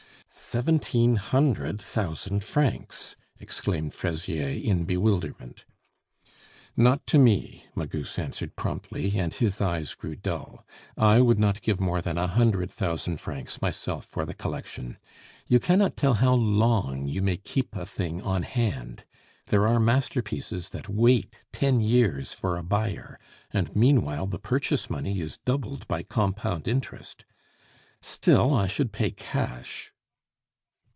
"Seventeen hundred thousand francs!" exclaimed Fraisier in bewilderment. "Not to me," Magus answered promptly, and his eyes grew dull. "I would not give more than a hundred thousand francs myself for the collection. You cannot tell how long you may keep a thing on hand. ... There are masterpieces that wait ten years for a buyer, and meanwhile the purchase money is doubled by compound interest. Still, I should pay cash."